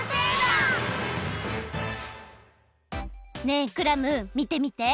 ねえクラムみてみて。